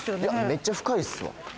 めっちゃ深いですわ。